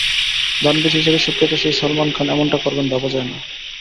দানবীর হিসেবে সুখ্যাত সেই সালমান খান এমনটা করবেন ভাবা যায় না।